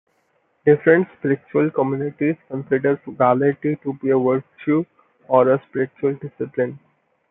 Different spiritual communities consider frugality to be a virtue or a spiritual discipline.